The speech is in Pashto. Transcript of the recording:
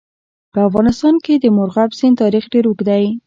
په افغانستان کې د مورغاب سیند تاریخ ډېر اوږد دی.